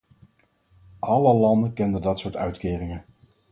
Alle landen kennen dat soort uitkeringen.